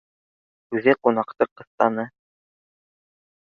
Үҙе ҡунаҡты ҡыҫтаны